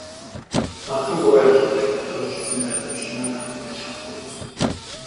Багахан хувиар Хятад холилдсон байхад л манайхан хүлээж авахгүй хэцүүднэ.